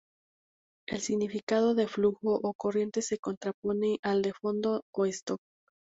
El significado de flujo o corriente se contrapone al de fondo o stock.